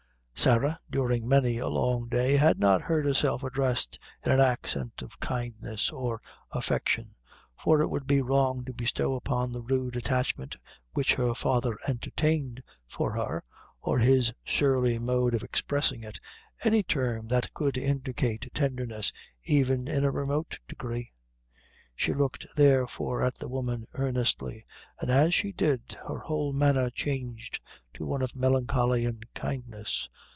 Sarah, during many a long day, had not heard herself addressed in an accent of kindness or affection; for it would be wrong to bestow upon the rude attachment which her father entertained for her, or his surly mode of expressing it, any term that could indicate tenderness, even in a remote degree. She looked, therefore, at the woman earnestly, and as she did, her whole manner changed to one of melancholy and kindness.